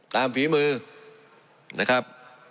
ฝีมือนะครับ